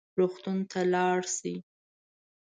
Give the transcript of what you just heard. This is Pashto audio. روغتون ته لاړ شئ